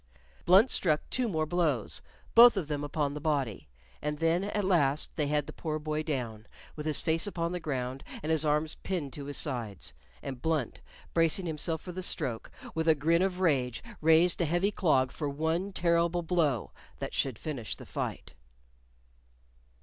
Blunt struck two more blows, both of them upon the body, and then at last they had the poor boy down, with his face upon the ground and his arms pinned to his sides, and Blunt, bracing himself for the stroke, with a grin of rage raised a heavy clog for one terrible blow that should finish the fight.